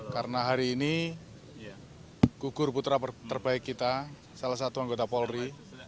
karena hari ini kugur putra terbaik kita salah satu anggota polri